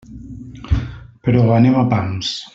Però anem a pams.